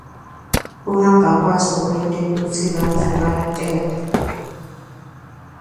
Kuhamba kwaso kwente kutsi bantfu betele.